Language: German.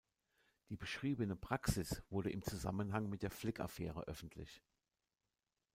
Die beschriebene Praxis wurde im Zusammenhang mit der Flick-Affäre öffentlich.